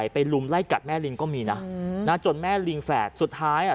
ลุมไล่กัดแม่ลิงก็มีนะจนแม่ลิงแฝดสุดท้ายอ่ะ